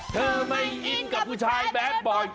เธอไม่อินกับผู้ชายแบดบ่อย